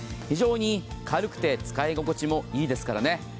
非常に軽くて使い心地もいいですからね。